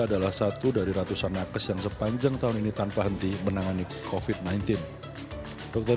adalah satu dari ratusan nakes yang sepanjang tahun ini tanpa henti menangani kofit sembilan belas dokter